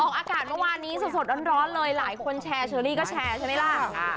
อากาศเมื่อวานนี้สดร้อนเลยหลายคนแชร์เชอรี่ก็แชร์ใช่ไหมล่ะ